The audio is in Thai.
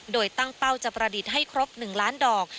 โดยตั้งเป้าจะประดิษฐ์ให้ครบ๑ล้านดอก